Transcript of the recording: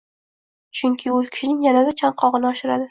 Chunki u kishining yanada chanqog‘ini oshiradi.